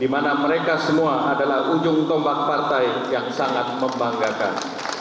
di mana mereka semua adalah ujung tombak partai yang sangat membanggakan